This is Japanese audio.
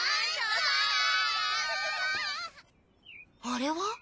あれは？